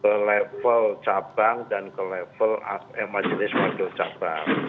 ke level cabang dan ke level majelis wakil cabang